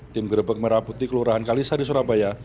tim gerebek merah putih kelurahan kalisah di surabaya